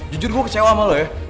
jujur gue kecewa sama lo ya